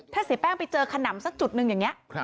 ถ้าเสียแป้งไปเจอขนำสักจุดหนึ่งอย่างนี้